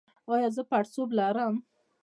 ایا زه پړسوب لرم؟